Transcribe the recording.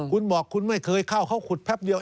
คุณบอกก็ไม่เคยเข้าเข้าขุดแพบเดี๋ยว